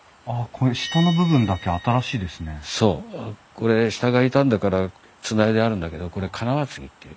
これ下が傷んだからつないであるんだけどこれ金輪継ぎっていう。